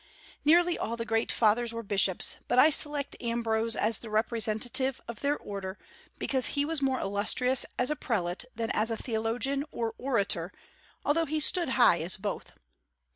Nearly all the great Fathers were bishops, but I select Ambrose as the representative of their order, because he was more illustrious as a prelate than as a theologian or orator, although he stood high as both.